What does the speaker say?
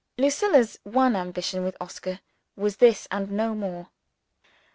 Lucilla's one ambition with Oscar, was this and no more.